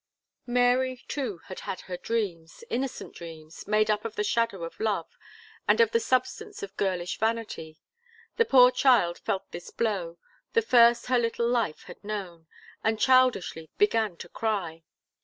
Mary too had had her dreams, innocent dreams, made up of the shadow of love, and of the substance of girlish vanity. The poor child felt this blow, the first her little life had known, and childishly began to cry.